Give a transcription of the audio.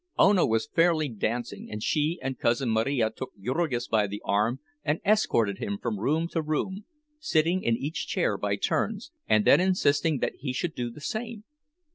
Ona was fairly dancing, and she and Cousin Marija took Jurgis by the arm and escorted him from room to room, sitting in each chair by turns, and then insisting that he should do the same.